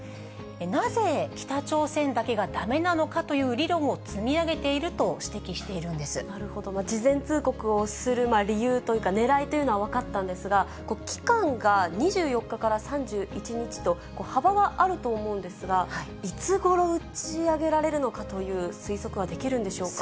なぜ、北朝鮮だけがだめなのかという理論を積み上げていると指摘していなるほど、事前通告をする理由というか、ねらいというのは分かったんですが、期間が２４日から３１日と、幅はあると思うんですが、いつごろ打ち上げられるのかという推測はできるんでしょうか。